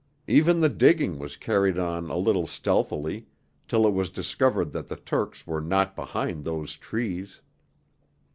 Even the digging was carried on a little stealthily till it was discovered that the Turks were not behind those trees.